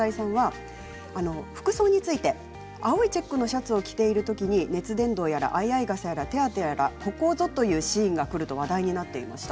服装について青いチェックのシャツを着ているときに熱伝導やら相合い傘やら手当やらここぞというシーンがくると話題になっていました。